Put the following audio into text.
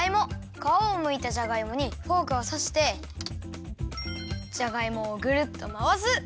かわをむいたじゃがいもにフォークをさしてじゃがいもをぐるっとまわす。